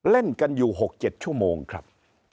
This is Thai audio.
เล่นกันอยู่๖๗ชั่วโมงครับ